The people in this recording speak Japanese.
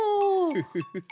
フフフフ。